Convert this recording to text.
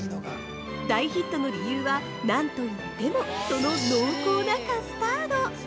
大ヒットの理由は、何と言っても、その濃厚なカスタード！